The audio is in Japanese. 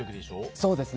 そうですね。